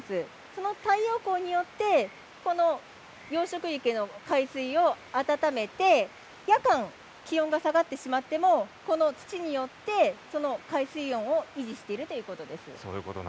その太陽光によってこの養殖池の海水を温めて夜間気温が下がってしまってもこの土によってその海水温を維持しているということです。